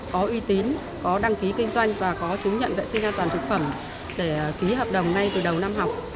có uy tín có đăng ký kinh doanh và có chứng nhận vệ sinh an toàn thực phẩm để ký hợp đồng ngay từ đầu năm học